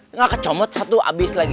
enggak kecomot satu abis lagi